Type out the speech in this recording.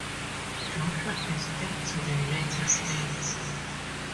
Joshua escaped to the United States.